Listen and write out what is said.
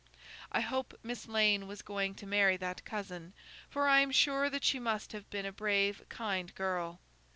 I hope Miss Lane was going to marry that cousin, for I am sure she must have been a brave, kind girl.